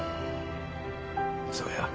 そうや。